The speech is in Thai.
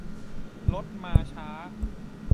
รถมาช้า